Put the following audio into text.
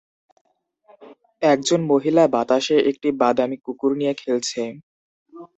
একজন মহিলা বাতাসে একটি বাদামী কুকুর নিয়ে খেলছে